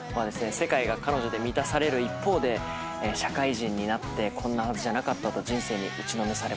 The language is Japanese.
世界が彼女で満たされる一方で社会人になってこんなはずじゃなかったと人生に打ちのめされます。